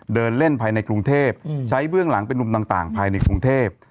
เดินเล่นภายในกรุงเทพใช้เบื้องหลังเป็นนุ่มต่างภายในกรุงเทพ